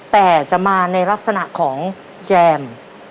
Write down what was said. แต่จะมาในลักษณะของแจม